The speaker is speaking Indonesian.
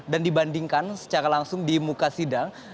dan dibandingkan secara langsung di muka sidang